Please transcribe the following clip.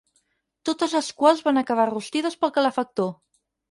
Totes les quals van acabar rostides pel calefactor.